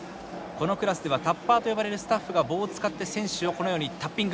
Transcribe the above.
このクラスではタッパーと呼ばれるスタッフが棒を使って選手をこのようにタッピング。